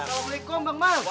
waalaikumsalam bang mardhani